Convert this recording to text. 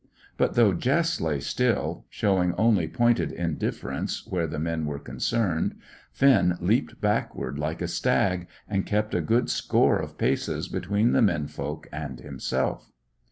But though Jess lay still, showing only pointed indifference where the men were concerned, Finn leaped backward like a stag, and kept a good score of paces between the men folk and himself.